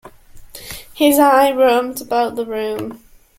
His eye roamed about the room.